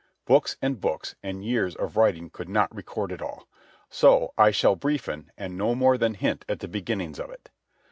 Books and books, and years of writing could not record it all. So I shall briefen and no more than hint at the beginnings of it.